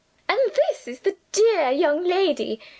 "And this is the dear young lady?"